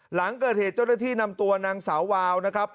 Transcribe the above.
หลังเกิดเหตุเจ้าหน้าที่นำตัวนางสาววาวนะครับ